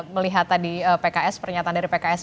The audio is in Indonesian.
melihat tadi pks pernyataan dari pks